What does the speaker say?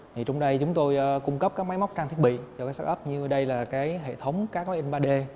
thì trong đây chúng tôi cung cấp các máy móc trang thiết bị cho các start up như đây là cái hệ thống các in ba d